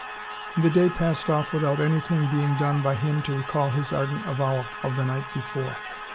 And the day passed off without anything being done by him to recall his ardent avowal of the night before.